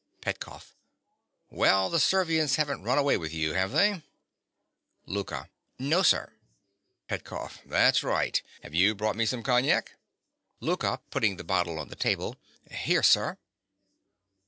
_) PETKOFF. Well, the Servians haven't run away with you, have they? LOUKA. No, sir. PETKOFF. That's right. Have you brought me some cognac? LOUKA. (putting the bottle on the table). Here, sir.